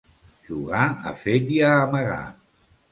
Jugar a fet i a amagar.